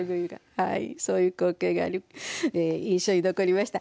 はいそういう光景が印象に残りました。